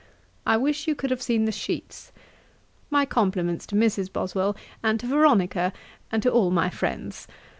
I wish you could have seen the sheets. My compliments to Mrs. Boswell, and to Veronica, and to all my friends.